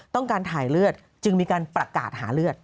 ต้องการถ่ายเลือดจึงมีการประกาศหาเลือด